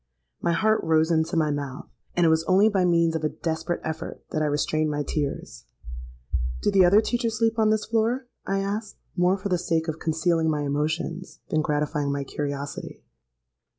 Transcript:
'—My heart rose into my mouth; and it was only by means of a desperate effort that I restrained my tears.—'Do the other teachers sleep on this floor?' I asked, more for the sake of concealing my emotions, than gratifying my curiosity.